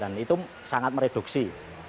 dan itu sangat mereduksi